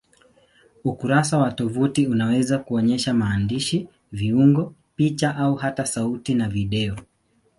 Ukurasa wa tovuti unaweza kuonyesha maandishi, viungo, picha au hata sauti na video.